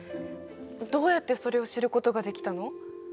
どうやってそれを知ることができたの？